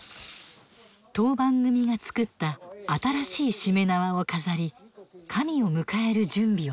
当番組が作った新しいしめ縄を飾り神を迎える準備をする。